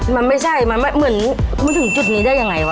มันไม่ใช่มันเหมือนมาถึงจุดนี้ได้ยังไงวะ